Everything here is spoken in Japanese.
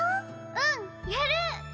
うんやる！